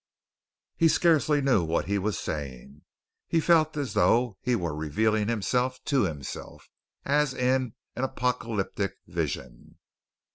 He scarcely knew what he was saying. He felt as though he were revealing himself to himself as in an apocalyptic vision.